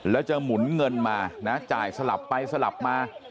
แล้วจะหมุนเงินมานะจ่ายสลับไปสลับมา